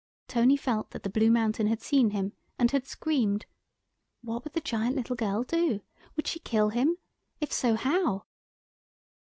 Tony felt that the Blue Mountain had seen him and had screamed. What would the giant little girl do? Would she kill him? If so, how?